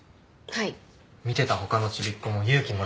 はい。